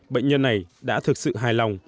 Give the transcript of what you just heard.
bệnh nhân này đã thực sự hài lòng